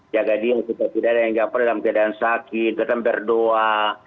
jaga dia kita tidak ada yang tidak pernah dalam keadaan sakit tetap berdoa